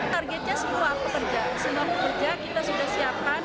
targetnya seluruh pekerja seluruh pekerja kita sudah siapkan